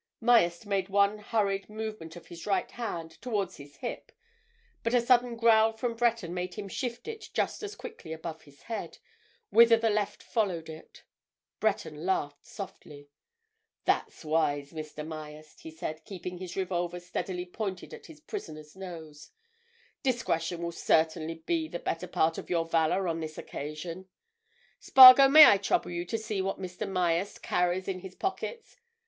Myerst made one hurried movement of his right hand towards his hip, but a sudden growl from Breton made him shift it just as quickly above his head, whither the left followed it. Breton laughed softly. "That's wise, Mr. Myerst," he said, keeping his revolver steadily pointed at his prisoner's nose. "Discretion will certainly be the better part of your valour on this occasion. Spargo—may I trouble you to see what Mr. Myerst carries in his pockets?